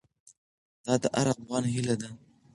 دا د هر افغان هیله ده.